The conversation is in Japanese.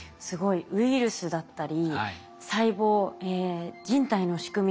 ウイルスだったり細胞人体の仕組み